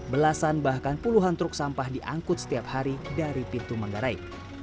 belasan bahkan puluhan truk sampah diangkut setiap hari dari pintu manggarai